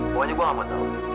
pokoknya gua gak mau tau